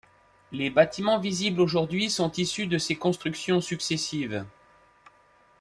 Les bâtiments visibles aujourd'hui sont issus de ces constructions successives.